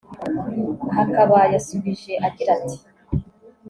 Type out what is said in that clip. Aha akaba yasubije agira ati